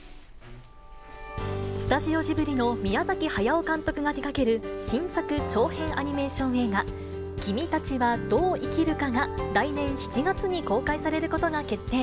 スタジオジブリの宮崎駿監督が手がける新作長編アニメーション映画、君たちはどう生きるかが来年７月に公開されることが決定。